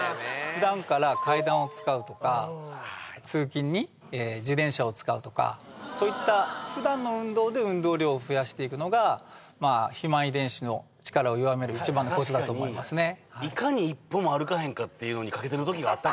普段から階段を使うとか通勤に自転車を使うとかそういった普段の運動で運動量を増やしていくのが肥満遺伝子の力を弱める一番のコツだと思いますね